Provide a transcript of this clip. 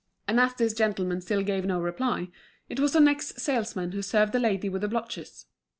And as this gentleman still gave no reply, it was the next salesman who served the lady with the blotches.